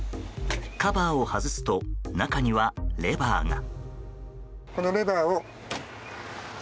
カバーを外すと中にはレバーが。